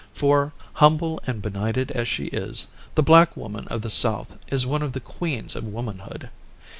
For, humble and benighted as she is, the black woman of the South is one of the queens of womanhood.